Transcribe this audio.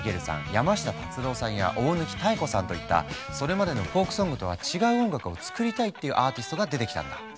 山下達郎さんや大貫妙子さんといったそれまでのフォークソングとは違う音楽を作りたいっていうアーティストが出てきたんだ。